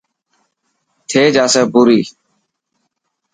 ٿي جاسي پوري.